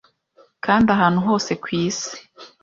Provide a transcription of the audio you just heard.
kandi ahantu hose ku isi